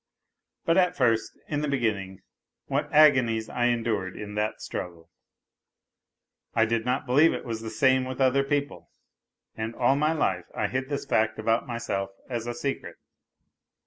But at first, in the beginning, what agonies I endured in that struggle ! I did not believe it was the same with other people, and all my life I hid this fact about myself as a secret.